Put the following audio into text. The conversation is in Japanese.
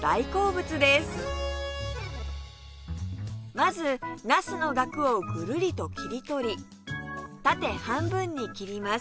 まずなすのガクをぐるりと切り取り縦半分に切ります